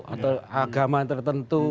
atau agama tertentu